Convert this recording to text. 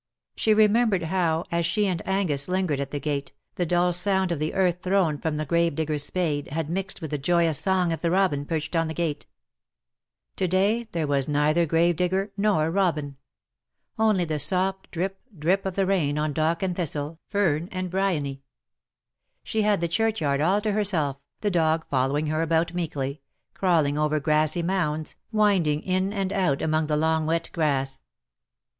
She re membered how, as she and Angus lingered at the gate, the dull sound of the earth thrown from the gravedigger^s spade had mixed with the joyous song of the robin perched on the gate. To day 42 '' GKIEF A FIXED STAR, there was neither gravedigger nor robin — only the soft drip, drip of the rain on dock and thistle, fern and briony. She had the churchyard all to her self, the dog following her about meekly — crawling over grassy mounds, winding in and out among the long wet grass.